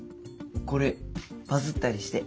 これバズったりして。